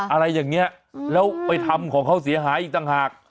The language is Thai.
อะไรอย่างนี้แล้วไปทำของเขาเสียหายอีกต่างหาก